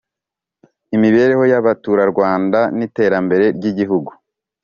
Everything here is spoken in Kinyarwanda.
imibereho y abaturarwanda n iterambere ry igihugu